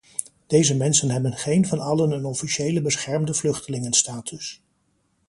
Deze mensen hebben geen van allen een officiële beschermde vluchtelingenstatus.